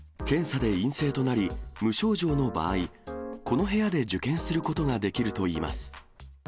検査で陰性となり、無症状の場合、この部屋で受験することができるといいます。